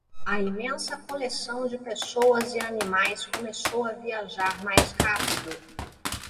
A imensa coleção de pessoas e animais começou a viajar mais rápido.